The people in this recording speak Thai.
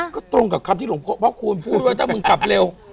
ก็ตรงกับคำที่หลวงพ่อพระคูณพูดว่าถ้ามึงขับเร็ว